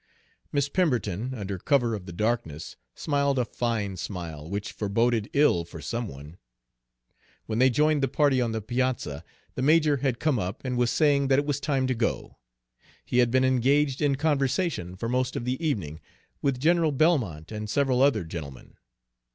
Miss Pemberton, under cover of the darkness, smiled a fine smile, which foreboded ill for some one. When they joined the party on the piazza, the major had come up and was saying that it was time to go. He had been engaged in conversation, for most of the evening, with General Belmont and several other gentlemen.